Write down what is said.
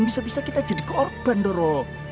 bisa bisa kita jadi korban doro